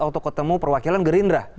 untuk ketemu perwakilan gerindra